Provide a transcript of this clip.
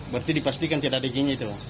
berarti dipastikan tidak ada izinnya itu